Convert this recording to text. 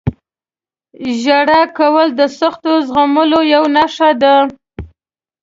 • ژړا کول د سختیو زغملو یوه نښه ده.